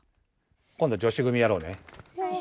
こんど女子組やろうね。